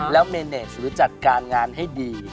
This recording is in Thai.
แล้วเมเนสหรือจัดการงานให้ดี